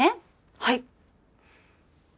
はい！